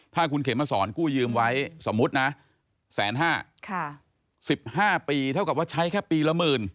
ถ้าคุณเขมสอนกู้ยืมไว้สมมุตินะ๑๕๐๐๑๕ปีเท่ากับว่าใช้แค่ปีละหมื่น